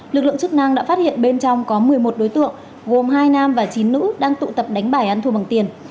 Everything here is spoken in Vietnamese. lực lượng chức năng đã phát hiện bên trong có một mươi một đối tượng gồm hai nam và chín nữ đang tụ tập đánh bài ăn thua bằng tiền